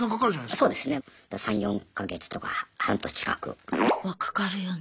そうですね３４か月とか半年近く。はかかるよね。